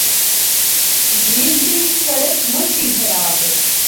جھیل دی سڑک مُچ ہی خراب اے۔